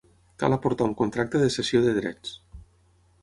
Cal aportar un contracte de cessió de drets.